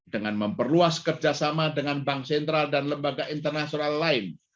dengan memperluas kerjasama dengan bank sentral dan lembaga internasional lain